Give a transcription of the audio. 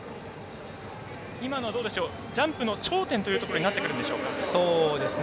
今の、ジャンプの頂点というところになってくるんでしょうか？